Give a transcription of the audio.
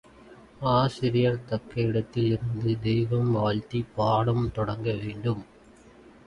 ஆசிரியர் தக்க இடத்தில் இருந்து தெய்வம் வாழ்த்திப் பாடம் தொடங்க வேண்டும்.